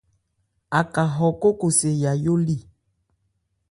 Aká hɔ kóko se Yayó li.